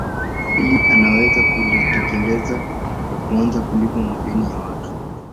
Hili anaweza kulitekeleza kwa kuanza kulipa madeni ya watu